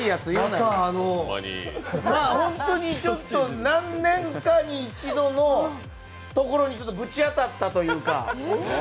本当に何年かに一度のところにぶち当たったというか。